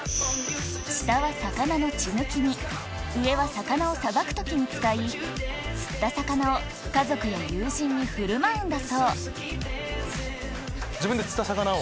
下は魚の血抜きに上は魚をさばく時に使い釣った魚を家族や友人に振る舞うんだそう自分で釣った魚を？